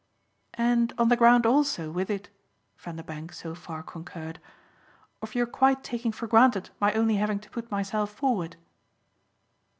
"And on the ground also with it" Vanderbank so far concurred "of your quite taking for granted my only having to put myself forward?"